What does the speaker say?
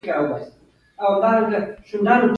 د سړک سرحدونه د موټروانو لپاره لارښود وي.